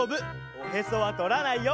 おへそはとらないよ。